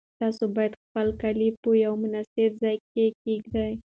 تاسو باید خپل کالي په یو مناسب ځای کې کېږدئ.